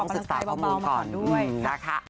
ออกกำลังไซม์เบามาก่อนด้วยจ้ะค่ะต้องศึกษาข้อมูลก่อน